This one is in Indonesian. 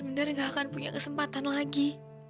aku bener bener nggak akan punya kesempatan lagi